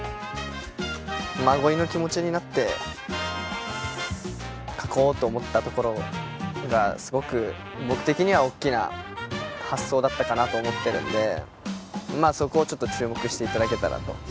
真鯉の気持ちになって書こうと思ったところがすごく僕的には大きな発想だったかなと思ってるんでそこをちょっと注目して頂けたらと。